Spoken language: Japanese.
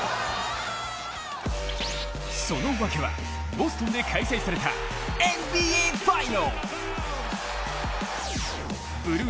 その訳はボストンで開催されたＮＢＡファイナル。